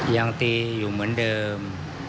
ยังตีอยู่เหมือนเดิม